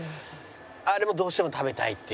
あれもどうしても食べたいっていう。